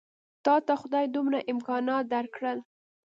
تاته خدای دومره امکانات درکړل.